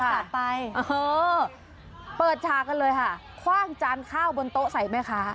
กลับไปเออเปิดฉากกันเลยค่ะคว่างจานข้าวบนโต๊ะใส่แม่ค้า